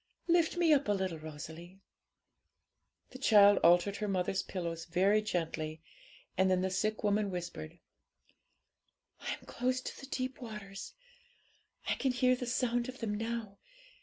Lift me up a little, Rosalie.' The child altered her mother's pillows very gently, and then the sick woman whispered 'I'm close to the deep waters; I can hear the sound of them now.